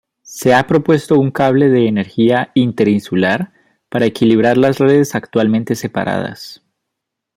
Se ha propuesto un cable de energía interinsular para equilibrar las redes actualmente separadas.